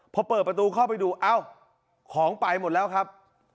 พอเปิดประตูเข้าไปดูเอ้าของไปหมดแล้วครับ